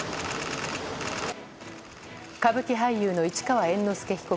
歌舞伎俳優の市川猿之助被告